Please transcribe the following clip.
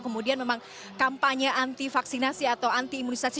kemudian memang kampanye anti vaksinasi atau anti imunisasi